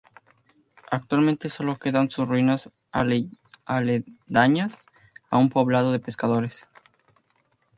Actualmente sólo quedan sus ruinas aledañas a un poblado de pescadores.